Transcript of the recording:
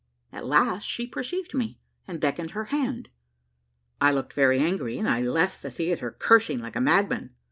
At last she perceived me, and beckoned her hand; I looked very angry, and left the theatre cursing like a madman.